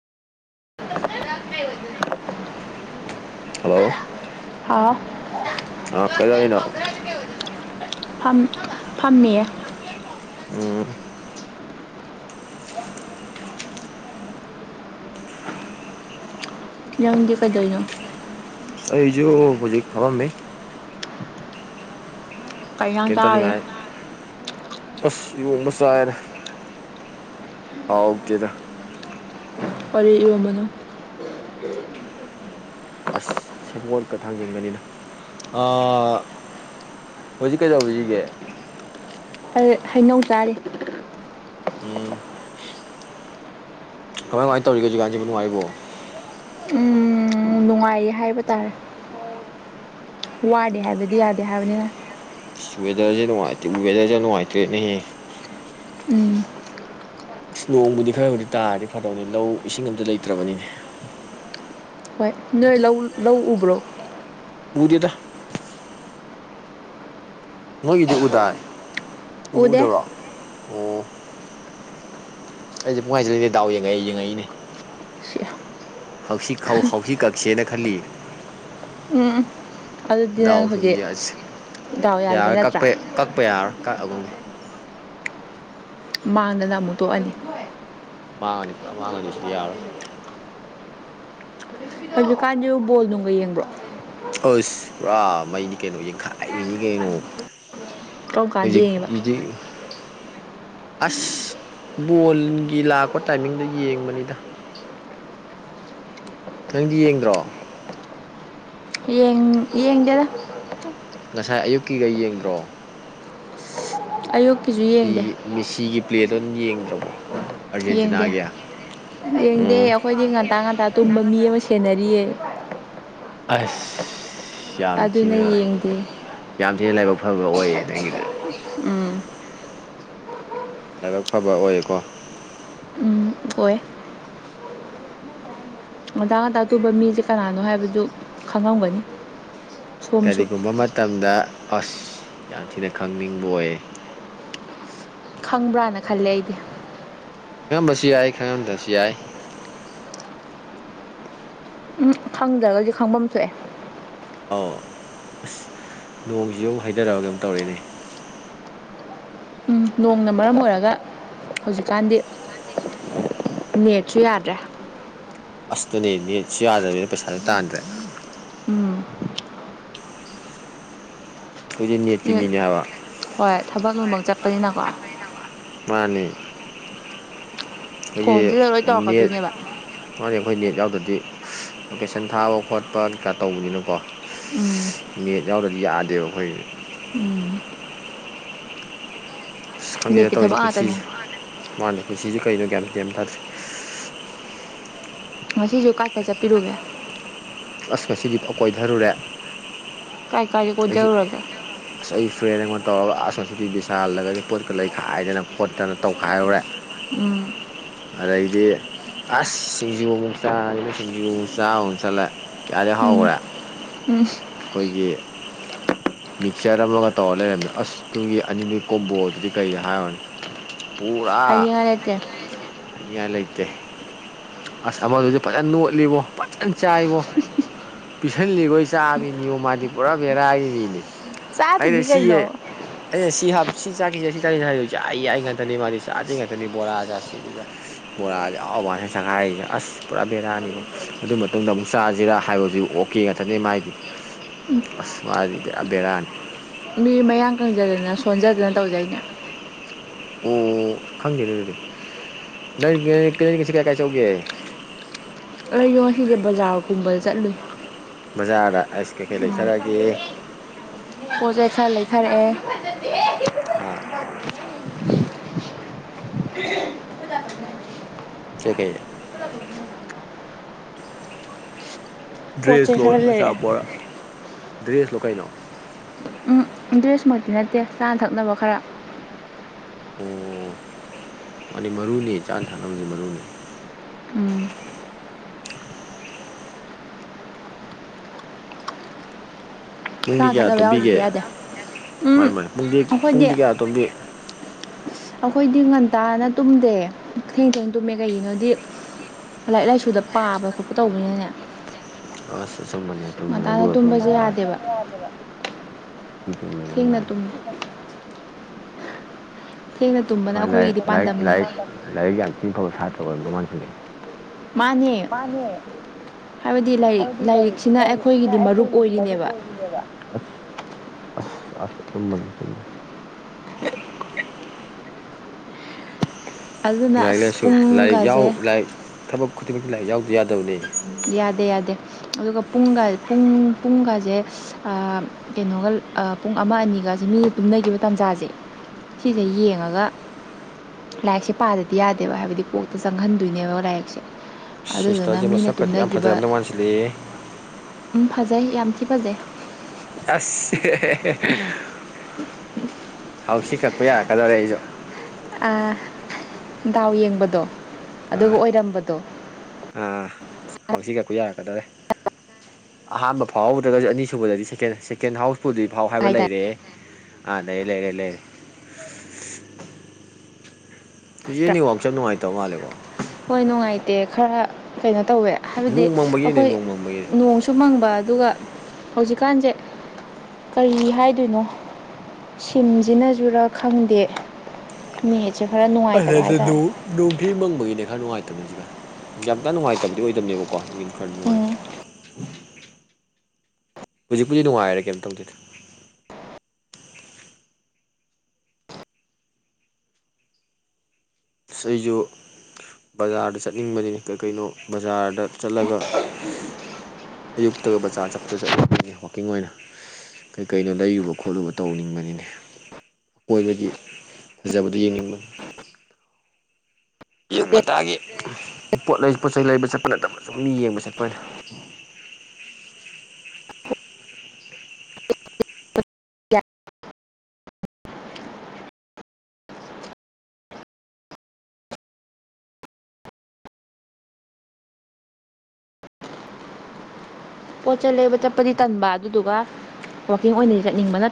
[unintelligible] Hello ꯍꯥꯥ ꯑꯥ ꯀꯩꯗꯧꯔꯤꯅꯣ [unintelligible] ꯐꯝ ꯐꯝꯃꯤꯌꯦ ꯎꯝ ꯅꯪꯗꯤ ꯀꯩꯗꯣꯢꯅꯣ ꯑꯩꯁꯨ ꯍꯨꯖꯤꯛ ꯐꯝꯃꯝꯃꯤ ꯀꯩ ꯏꯟꯖꯥꯡ ꯆꯥꯔꯒꯦ ꯀꯦꯇꯂꯤꯉꯥꯏ ꯑꯁ ꯏꯌꯣꯡꯕ ꯆꯥꯏꯔꯦ ꯍꯥꯎꯇꯦꯗ ꯀꯔꯤ ꯏꯔꯣꯟꯕꯅꯣ ꯑꯁ ꯁꯦꯕꯣꯠꯀ ꯊꯥꯡꯖꯟꯒꯅꯤꯗ ꯑꯥ ꯍꯧꯖꯤꯛ ꯀꯩꯗꯧꯕꯤꯔꯤꯒꯦ ꯍꯩ ꯍꯩꯅꯧ ꯆꯥꯔꯤ ꯎꯝ ꯀꯃꯥꯏ ꯀꯃꯥꯏ ꯇꯧꯔꯤꯒꯦ ꯍꯧꯖꯤꯀꯥꯟꯁꯤꯕꯨ ꯅꯨꯡꯉꯥꯏꯔꯤꯕꯣ ꯎꯝ ꯅꯨꯡꯉꯥꯏꯔꯤ ꯍꯥꯏꯕ ꯇꯥꯔꯦ ꯋꯥꯔꯤ ꯍꯥꯏꯕꯗꯤ ꯌꯥꯗꯦ ꯍꯥꯏꯕꯅꯤꯅ ꯑꯁ ꯋꯦꯗꯔꯁꯦ ꯅꯨꯡꯉꯥꯏꯇꯦ ꯋꯦꯗꯔꯁꯦ ꯌꯥꯝ ꯅꯨꯡꯉꯥꯏꯇ꯭ꯔꯦꯅꯦꯍꯦ ꯎꯝ ꯅꯣꯡꯕꯨꯗꯤ ꯈꯔꯕꯨꯗꯤ ꯇꯥꯔꯗꯤ ꯐꯗꯧꯅꯤ ꯂꯧ ꯏꯁꯤꯡ ꯑꯝꯇ ꯂꯩꯇ꯭ꯔꯕꯅꯤꯅꯦ ꯍꯣꯏ ꯅꯣꯏ ꯂꯧ ꯂꯧ ꯎꯕ꯭ꯔꯣ ꯎꯗꯦꯗꯥ ꯅꯣꯏꯒꯤꯗꯤ ꯎꯗꯥꯏ ꯎ ꯎꯗꯦ ꯎꯨꯗꯥꯕ꯭ꯔꯣ ꯑꯣ ꯑꯩꯁꯦ ꯄꯨꯡꯍꯥꯏ ꯍꯥꯢꯖꯤꯂꯤꯅꯦ ꯗꯥꯎ ꯌꯦꯡꯉꯛ ꯌꯦꯡꯉꯛꯏꯅꯦ ꯁꯤ ꯍꯥꯎꯁꯤ ꯈꯥꯎ ꯍꯥꯎꯁꯤ ꯀꯛꯁꯦꯅ ꯈꯜꯂꯤꯌꯦ ꯎꯨꯝ ꯑꯗꯨꯗꯤ ꯅꯪ ꯗꯥꯎ ꯁꯨꯝ ꯍꯧꯖꯤꯛ ꯑꯁ ꯗꯥꯎ ꯌꯥꯗ꯭ꯔꯦ ꯅꯠꯇ꯭ꯔꯥ ꯄ ꯌꯥꯔꯣꯏ ꯀꯛꯑꯒꯨꯝꯒꯦ ꯃꯥꯡꯗꯅ ꯑꯃꯨꯛ ꯇꯣꯛꯑꯅꯤ ꯃꯥꯡꯉꯅꯤ ꯄꯨꯔꯥ ꯃꯥꯡꯉꯅꯤ ꯁꯤꯗꯤ ꯌꯥꯔꯔꯣꯏ ꯍꯧꯖꯤꯛꯀꯥꯟꯁꯤꯕꯣ ꯕꯣꯜ ꯅꯨꯡꯒ ꯌꯦꯡꯕ꯭ꯔꯣ ꯑꯁ ꯄꯨꯔꯥ ꯃꯩꯅꯤ ꯀꯩꯅꯣ ꯌꯦꯡꯈꯥꯏꯕꯤꯅꯤ ꯀꯩꯅꯣ ꯀꯔꯝ ꯀꯥꯟꯗ ꯍꯧꯖꯤꯛ ꯌꯦꯡꯉꯤꯕ [unintelligible] ꯑꯁ ꯕꯣꯜꯒꯤ ꯂꯥꯛꯄ ꯇꯥꯏꯃꯤꯡꯗ ꯌꯦꯡꯕꯅꯤꯗ ꯅꯪꯗꯤ ꯌꯦꯡꯗ꯭ꯔꯣ ꯌꯦꯡ ꯌꯦꯡꯗꯦꯗ ꯉꯁꯥꯏ ꯑꯌꯨꯛꯀꯤꯒ ꯌꯦꯡꯗ꯭ꯔꯣ ꯑꯌꯨꯛꯀꯤꯁꯨ ꯁꯤꯒꯤ ꯌꯦꯡꯗꯦ ꯃꯤꯁꯤꯒꯤ ꯄ꯭ꯂꯦꯗꯣ ꯌꯦꯡꯗ꯭ꯔꯕꯣ ꯌꯦꯡꯗꯦ ꯑꯥꯔꯖꯦꯟꯇꯤꯅꯥꯒꯤ ꯌꯦꯡꯗꯦ ꯎꯝ ꯑꯩꯈꯣꯏꯗꯤ ꯉꯟꯇꯥ ꯉꯟꯇꯥ ꯇꯨꯝꯕ ꯃꯤ ꯑꯃ ꯁꯦꯟꯅꯔꯤꯌꯦ ꯑꯁ ꯌꯥꯝ ꯑꯗꯨꯅ ꯊꯤꯅ ꯌꯦꯡꯗꯦ ꯌꯥꯝ ꯊꯤꯅ ꯂꯥꯏꯕꯛ ꯐꯕ ꯑꯣꯏꯌꯦ ꯅꯪꯒꯤꯗꯨꯗꯤ ꯎꯝ ꯂꯥꯏꯕꯛ ꯐꯕ ꯑꯣꯏꯌꯦꯀꯣ ꯎꯝ ꯑꯣꯏ ꯉꯟꯇꯥ ꯉꯟꯇꯥ ꯑ ꯇꯨꯝꯕ ꯃꯤꯁꯦ ꯀꯅꯥꯅꯣ ꯍꯥꯏꯕꯗꯨ ꯈꯪꯉꯝꯒꯅꯤ ꯁꯣꯝꯁꯨ ꯀꯔꯤꯒꯨꯝꯕ ꯃꯇꯝꯗ ꯑꯁ ꯌꯥꯝ ꯊꯤꯅ ꯈꯪꯅꯤꯡꯕ ꯑꯣꯏꯌꯦ ꯈꯪꯕ꯭ꯔꯥꯅ ꯈꯜꯂꯦ ꯑꯩꯗꯤ ꯈꯪꯉꯝꯕꯁꯨ ꯌꯥꯏ ꯈꯪꯉꯝꯗꯕꯁꯨ ꯌꯥꯏ ꯎꯝ ꯈꯪꯗ꯭ꯔꯒꯗꯤ ꯈꯪꯐꯝ ꯊꯣꯛꯑꯦ ꯑꯥꯎ ꯑꯁ ꯅꯣꯡꯁꯤꯁꯨ ꯑꯃꯨꯛ ꯍꯩꯊꯔꯛꯑꯕ ꯀꯩꯅꯣꯝ ꯇꯧꯔꯦꯅꯦ ꯎꯝ ꯅꯣꯡꯅ ꯃꯔꯝ ꯑꯣꯏꯔꯒ ꯍꯧꯖꯤꯛꯀꯥꯟꯗꯤ ꯎꯝ ꯅꯦꯠꯁꯨ ꯌꯥꯗ꯭ꯔꯦ ꯑꯁ ꯑꯗꯨꯅꯦ ꯅꯦꯠꯁꯨ ꯌꯥꯗꯕꯅꯤꯅ ꯄꯩꯁꯥꯁꯨ ꯇꯥꯟꯗ꯭ꯔꯦ ꯎꯝ ꯑꯩꯈꯣꯏꯗꯤ ꯅꯦꯠꯀꯤ ꯅꯦꯠ ꯃꯤꯅꯦ ꯍꯥꯏꯕ ꯍꯣꯏ ꯊꯕꯛ ꯂꯣꯏꯃꯛ ꯆꯠꯄꯅꯤꯅꯀꯣ ꯃꯥꯅꯤ ꯑꯩꯈꯣꯏꯒꯤ ꯐꯣꯟꯁꯤꯗ ꯂꯣꯏ ꯅꯦꯠ ꯇꯧꯔꯛꯀꯗꯣꯏꯅꯦꯕ ꯃꯥꯅꯦ ꯑꯩꯈꯣꯏ ꯅꯦꯠ ꯌꯥꯎꯗ꯭ꯔꯗꯤ ꯂꯣꯀꯦꯁꯟ ꯊꯥꯕ ꯈꯣꯠꯄ ꯀꯩꯀꯥ ꯇꯧꯕꯅꯤꯅꯀꯣ ꯎꯝ ꯅꯦꯠ ꯌꯥꯎꯗ꯭ꯔꯗꯤ ꯌꯥꯗꯦꯕ ꯑꯩꯈꯣꯏꯁꯦ ꯎꯝ ꯑꯁ ꯈꯪꯗꯦꯗ ꯅꯦꯠꯀꯤ ꯊꯕꯛ ꯇꯧꯔꯤꯁꯦ ꯉꯥꯛꯇꯅꯦ ꯄꯨꯟꯁꯤꯁꯦ ꯃꯥꯅꯦ ꯄꯨꯟꯁꯤꯁꯦ ꯀꯩꯅꯣ ꯒ꯭ꯌꯥꯟ ꯃꯦꯟ ꯑꯝ ꯊꯥꯗ꯭ꯔꯦ ꯉꯁꯤꯁꯨ ꯀꯥꯏ ꯀꯥꯏ ꯆꯠꯄꯤꯔꯨꯒꯦ ꯑꯁ ꯉꯁꯤꯗꯤ ꯐꯅ ꯀꯣꯏꯊꯔꯨꯔꯦ ꯀꯥꯏ ꯀꯥꯏ ꯑꯩꯁꯨ ꯀꯣꯏꯗꯔꯨꯔꯒꯦ ꯑꯁ ꯑꯩ ꯐ꯭ꯔꯦꯟ ꯑꯩꯉꯣꯟ ꯇꯧꯔꯒ ꯑꯁ ꯉꯁꯤꯗꯤ ꯕꯤꯁꯥꯜꯗꯒꯗꯤ ꯄꯣꯠꯀ ꯂꯩꯈꯥꯏꯗꯅ ꯈꯣꯠꯇꯅ ꯇꯧꯈꯥꯏꯔꯨꯔꯦ ꯎꯝ ꯑꯗꯩꯗꯤ ꯑꯁ ꯁꯤꯡꯖꯨ ꯑꯃꯨꯛ ꯆꯥꯖꯤꯅ ꯁꯤꯡꯖꯨ ꯑꯃꯨꯛ ꯆꯥꯕꯃꯨꯛ ꯆꯠꯂꯦ ꯀꯌꯥꯗꯤ ꯎꯝ ꯍꯥꯎꯈ꯭ꯔꯦ ꯎꯝ ꯑꯩꯈꯣꯏꯒꯤ ꯃꯤꯛꯆꯔ ꯑꯃꯒ ꯇꯧꯔ ꯂꯩꯔꯝꯃꯦ ꯑꯁ ꯇꯨꯒꯤ ꯑꯅꯤꯗꯨꯏ ꯀꯣꯝꯕꯣ ꯗꯨꯗꯤ ꯀꯩ ꯍꯥꯏꯔꯨꯔꯅꯤ ꯄꯨꯔꯥ ꯍꯥꯏꯅꯤꯡꯉꯥꯏ ꯂꯩꯇꯦ ꯍꯥꯏꯅꯤꯡꯉꯥꯏ ꯂꯩꯇꯦ ꯑꯁ ꯑꯃꯗꯨꯁꯨ ꯐꯖꯅ ꯅꯣꯠꯂꯤꯕꯣ ꯐꯖꯅ ꯆꯥꯏꯕꯣ ꯄꯤꯁꯜꯂꯤꯈꯣꯏ ꯆꯥꯕꯅꯤꯉꯣ ꯃꯥꯗꯤ ꯄꯨꯔꯥ ꯕꯦꯔꯥꯒꯤ ꯃꯤꯅꯤ ꯑꯩꯅ ꯆꯥꯗꯕꯤ ꯁꯤ ꯀꯩꯅꯣ ꯑꯩꯅ ꯁꯤ ꯍꯥꯞ ꯁꯤ ꯆꯥꯈꯤꯁꯦ ꯁꯤ ꯆꯥꯁꯤ ꯍꯥꯏꯗꯣꯏꯁꯦ ꯌꯥꯏ ꯌꯥꯏ ꯉꯥꯛꯇꯅꯤ ꯃꯥꯗꯤ ꯆꯥꯖꯦ ꯉꯥꯛꯇꯅꯤ ꯕꯣꯔꯥ ꯆꯥꯁꯤ ꯑꯗꯨ ꯆꯥꯁꯦ ꯕꯣꯔꯥꯗꯤ ꯑꯍꯥꯎꯕ ꯉꯥꯛꯇꯅꯦ ꯆꯥꯈꯥꯏꯔꯤꯗꯣ ꯑꯁ ꯄꯨꯔꯥ ꯕꯦꯔꯥꯅꯤꯕꯣ ꯑꯗꯨ ꯃꯇꯨꯡꯗ ꯑꯃꯨꯛ ꯆꯥꯁꯤꯔꯥ ꯍꯥꯏꯕꯁꯤ ꯑꯣꯀꯦ ꯉꯥꯛꯊꯅꯦ ꯃꯥꯏꯗꯤ ꯑꯁ ꯃꯥꯗꯤ ꯄꯨꯔꯥ ꯕꯦꯔꯥꯅꯤ ꯃꯤ ꯃꯌꯥꯡ ꯀꯪꯖꯗꯅ ꯁꯣꯟꯖꯗꯅ ꯇꯧꯖꯩꯅꯦ ꯑꯣ ꯈꯪꯗꯦꯅꯦ ꯑꯗꯨꯗꯤ ꯅꯪ ꯉꯁꯤ ꯀꯥꯏ ꯉꯁꯤ ꯀꯥꯏ ꯀꯥꯏ ꯆꯧꯒꯦ ꯑꯩꯗꯣ ꯉꯁꯤꯗꯤ ꯕꯖꯥꯔꯒꯨꯝꯕꯗ ꯆꯠꯂꯨꯏ ꯕꯖꯥꯔꯗ ꯑꯩꯥꯁ ꯀꯩꯀꯩ ꯂꯩꯊꯔꯛꯑꯒꯦ ꯄꯣꯠꯆꯩ ꯈꯔ ꯂꯩꯊꯔꯛꯑꯦ ꯍꯥ [inaudible] ꯀꯩ ꯀꯩ ꯄꯣꯠ ꯆꯩ ꯗ꯭ꯔꯦꯁꯂꯣ ꯈꯔ ꯂꯩꯔꯛꯑꯦ ꯑꯆꯥꯄꯣꯔ ꯗ꯭ꯔꯦꯁꯂꯣ ꯀꯩꯅꯣ ꯎꯝ ꯗ꯭ꯔꯦꯁꯃꯛꯇꯤ ꯅꯠꯇꯦ ꯆꯥꯅ ꯊꯛꯅꯕ ꯈꯔ ꯑꯣ ꯃꯥꯗꯤ ꯃꯔꯨꯅꯤ ꯆꯥꯅ ꯊꯛꯅꯕꯁꯦ ꯃꯔꯨꯅꯤ ꯎꯝ꯫ ꯄꯨꯡꯗꯤ ꯆꯥꯅ ꯀꯌꯥꯗ ꯊꯛꯅꯕ ꯇꯨꯝꯕꯤꯒꯦ ꯌꯥꯎꯗ꯭ꯔꯗꯤ ꯆꯥꯅ ꯌꯥꯗꯦ ꯊꯛꯅꯕ ꯌꯥꯎꯗꯔꯗꯤ ꯌꯥꯗꯦ ꯎꯝ ꯃꯥꯅꯤ ꯃꯥꯅꯤ ꯄꯨꯡꯗꯤ ꯑꯩꯈꯣꯏꯗꯤ ꯄꯨꯡꯗꯤ ꯀꯌꯥ ꯇꯨꯝꯕꯤ ꯑꯈꯣꯏꯗꯤ ꯉꯟꯇꯥꯅ ꯇꯨꯝꯗꯦ ꯊꯦꯡ ꯊꯦꯡꯅ ꯇꯨꯝꯃꯦ ꯀꯩꯒꯤꯅꯣꯗꯤ ꯂꯥꯏꯔꯤꯛ ꯂꯥꯏꯁꯨꯗ ꯄꯥꯕ ꯈꯣꯠꯄ ꯇꯧꯕꯅꯤꯅꯅꯦ ꯑꯁ ꯑꯆꯨꯝꯕꯅꯦ ꯑꯆꯨꯝꯕꯅꯦ ꯉꯟꯇꯥꯅ ꯑꯗꯨꯒ ꯇꯨꯝꯕꯁꯦ ꯑꯆꯨꯝꯕꯅꯦ ꯑꯁ ꯌꯥꯗꯦꯕ ꯇꯨꯝꯕꯁꯨ ꯌꯥꯗꯦꯕ ꯑꯁ ꯌꯥꯝ ꯊꯤ ꯆꯨꯨꯝꯃꯦ ꯅꯪ ꯊꯦꯡꯅ ꯍꯥꯢꯗꯣ ꯇꯨꯝ ꯄꯨꯟꯅ ꯇꯨꯝ ꯊꯦꯡꯅ ꯇꯨꯝꯕꯅ ꯃꯥ ꯂꯥꯏꯔꯤꯛ ꯑꯩꯈꯣꯏꯒꯤꯗꯤ ꯂꯥꯏꯔꯤꯛ ꯄꯥꯟꯗꯝꯅꯦ ꯂꯥꯏꯔꯤꯛ ꯂꯥꯏꯔꯤꯛ ꯌꯥꯝꯊꯤ ꯐꯕ ꯁꯥꯇ꯭ꯔ ꯑꯣꯏꯔꯝꯗꯧ ꯃꯥꯟꯁꯤꯜꯂꯛꯑꯦ ꯃꯥꯅꯦ ꯃꯥꯅꯦ ꯍꯥꯏꯕꯗꯤ ꯂꯥꯏꯔꯤꯛ ꯍꯥꯏꯕꯗꯤ ꯂꯥꯏꯔꯤꯛ ꯂꯥꯏꯔꯤꯛꯁꯤꯅ ꯂꯥꯏꯔꯤꯛꯁꯤꯅ ꯑꯩꯈꯣꯏꯒꯤꯗꯤ ꯃꯔꯨꯞ ꯑꯩꯈꯣꯏꯒꯤꯗꯤ ꯃꯔꯨꯞ ꯑꯣꯏꯔꯤꯅꯦꯕ ꯑꯣꯏꯔꯤꯅꯦꯕ ꯑꯁ ꯑꯁ ꯑꯁ ꯑꯆꯨꯝꯕꯅꯤ ꯑꯆꯨꯝꯕꯅꯤ ꯑꯗꯨꯅ ꯂꯥꯏꯔꯤꯛ ꯑꯁ ꯂꯥꯏꯁꯨ ꯂꯥꯏꯔꯤꯛ ꯌꯥꯎ ꯄꯨꯡꯒꯁꯦ ꯂꯥꯏꯔꯤꯛ ꯊꯕꯛ ꯈꯨꯗꯤꯡꯃꯛꯁꯦ ꯂꯥꯏꯔꯤꯛ ꯌꯥꯎꯗ ꯌꯥꯗꯕꯅꯦ ꯌꯥꯗꯦ ꯌꯥꯗꯦ ꯑꯗꯨꯒ ꯄꯨꯡꯒ ꯄꯨꯡ ꯄꯨꯡꯒꯁꯦ ꯑꯥ ꯀꯩꯅꯣꯒ ꯑ ꯄꯨꯡ ꯑꯃ ꯑꯅꯤꯒꯁꯦ ꯃꯤꯅ ꯇꯨꯝꯅꯈꯤꯕ ꯇꯥꯟꯖꯥꯁꯦ ꯁꯤꯁꯦ ꯎꯝ ꯌꯦꯡꯉꯒ ꯂꯥꯏꯔꯤꯛꯁꯦ ꯄꯥꯗꯗꯤ ꯌꯥꯗꯦꯕ ꯍꯥꯏꯕꯗꯤ ꯀꯣꯛꯇ ꯆꯪꯍꯟꯗꯣꯏꯅꯦꯕ ꯂꯥꯏꯔꯤꯛꯁꯦ ꯑꯗꯨꯗꯨꯅ ꯃꯤꯅ ꯐꯥꯗꯤ ꯌꯥꯝ ꯇꯨꯝꯅꯈꯤꯕ ꯐꯥꯖꯔꯝꯗꯧ ꯃꯟꯁꯤꯟꯂꯛꯑꯦ ꯎꯝ ꯐꯖꯩ ꯌꯥꯝ ꯊꯤ ꯐꯖꯩ ꯑꯁ ꯍꯥꯎꯁꯤ ꯀꯛꯄ ꯌꯥꯔꯛꯀꯗꯧꯔꯦ ꯑꯩꯁꯨ ꯑꯥ ꯗꯥꯎ ꯌꯦꯡꯕꯗꯣ ꯑꯗꯨꯒ ꯑꯥ ꯑꯣꯏꯔꯝꯕꯗꯣ ꯑꯥ ꯍꯥꯎꯁꯤ ꯀꯛꯄ ꯌꯥꯔꯛꯀꯗꯧꯔꯦ ꯑꯍꯥꯝꯕ ꯐꯥꯎꯍꯧꯗ꯭ꯔꯥꯒꯗꯤ ꯑꯅꯤꯁꯨꯕꯗꯗꯤ ꯁꯦꯀꯦꯟ ꯁꯦꯀꯦꯟ ꯍꯥꯎꯁ ꯐꯨꯜꯗꯤ ꯐꯥꯎ ꯍꯥꯏꯕ ꯍꯥꯏꯇꯥꯔꯦ ꯂꯩꯔꯦ ꯑꯥ ꯂꯩꯔꯦ ꯂꯩꯔꯦ ꯂꯩꯔꯦ [inaudible] ꯍꯨꯖꯤꯛ ꯅꯦꯠꯋꯥꯛ ꯁꯦ ꯌꯥꯝ ꯅꯨꯡꯉꯥꯏꯇ ꯃꯥꯂꯦꯀꯣ ꯍꯣꯏ ꯅꯨꯡꯉꯥꯏꯇꯦ ꯈꯔ ꯀꯩꯅꯣ ꯇꯧꯋꯦ ꯍꯥꯏꯕꯗꯤ ꯅꯣꯡ ꯃꯪꯕꯒꯤꯅꯦ ꯑꯈꯣꯏ ꯅꯣꯡ ꯃꯪꯕꯒꯤꯅꯦ ꯅꯣꯡꯁꯨ ꯃꯪꯕ ꯑꯗꯨꯒ ꯍꯧꯖꯤꯛꯀꯥꯟꯁꯦ ꯀꯔꯤ ꯍꯥꯏꯗꯣꯏꯅꯣ ꯁꯤꯝꯁꯤꯅꯖꯨꯔꯥ ꯈꯪꯗꯦ ꯅꯦꯠꯁꯦ ꯈꯔ [unintelligible] ꯅꯨꯡꯉꯥꯏꯇꯕ ꯍꫭꯏ ꯍꯥꯏꯇꯥꯔꯦ ꯅꯣꯡꯊꯤ ꯃꯪꯕꯒꯤꯅꯦ ꯈꯔ ꯅꯨꯡꯉꯥꯏꯇꯕꯅꯦ ꯍꯧꯖꯤꯛꯀꯟ ꯌꯥꯝ ꯀꯟ ꯅꯨꯡꯉꯥꯏꯇꯕꯗꯤ ꯑꯣꯏꯗꯕꯅꯦꯕꯀꯣ ꯈꯔ ꯅꯨꯡꯉꯥꯏ ꯎꯝ ꯍꯧꯖꯤꯛꯄꯨꯗꯤ ꯅꯨꯡꯉꯥꯏꯔꯦ ꯀꯩꯝ ꯇꯧꯗꯦꯗ ꯏꯁ ꯑꯩꯖꯨ ꯕꯖꯥꯔꯗ ꯆꯠꯅꯤꯡꯕꯅꯤꯅꯦ ꯀꯩ ꯀꯩꯅꯣ ꯕꯖꯥꯔꯗ ꯆꯠꯂꯒ ꯑꯌꯨꯛꯇꯒ ꯕꯥꯖꯔ ꯆꯠꯄꯗꯣ ꯆꯠꯅꯤꯡꯕꯅꯤꯅꯦ ꯋꯥꯛꯀꯤꯡ ꯑꯣꯏꯅ ꯀꯩꯀꯩꯅꯣ ꯂꯩꯔꯨꯕ ꯈꯣꯠꯂꯨꯕ ꯇꯧꯅꯤꯡꯕꯅꯤꯅꯦ ꯐꯖꯕꯗꯣ ꯌꯦꯡꯅꯤꯡꯕꯅꯤ ꯑꯌꯨꯛ ꯉꯟꯇꯥꯒꯤ ꯄꯣꯠꯂꯩ ꯄꯣꯠꯆꯩꯩ ꯂꯩꯕ ꯆꯠꯄ ꯅꯠꯇꯕ ꯁꯨꯝ ꯃꯤ ꯌꯦꯡꯕ ꯆꯠꯄ ꯑꯣꯏꯅ [unintelligible] ꯄꯣꯠꯆꯩ ꯂꯩꯕ ꯆꯠꯄꯗꯤ ꯇꯟꯕ ꯑꯗꯨꯗꯨꯒ ꯋꯥꯛꯀꯤꯡ ꯑꯣꯏꯅꯗꯤ ꯆꯠꯅꯤꯡꯕ ꯅꯠ